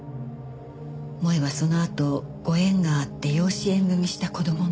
萌絵はそのあとご縁があって養子縁組した子供なの。